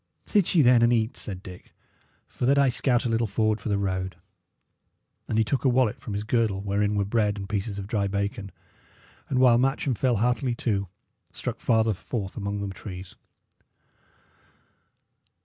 "Sit ye, then, and eat," said Dick, "while that I scout a little forward for the road." And he took a wallet from his girdle, wherein were bread and pieces of dry bacon, and, while Matcham fell heartily to, struck farther forth among the trees.